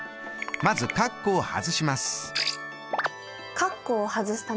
まずカッコを外します。